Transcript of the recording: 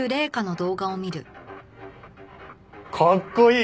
かっこいい！